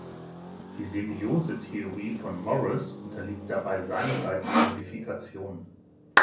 Die Semiose-Theorie von Morris unterliegt dabei seinerseits Modifikationen.